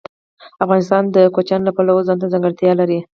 افغانستان د کوچیانو له پلوه ځانته ځانګړتیا لري.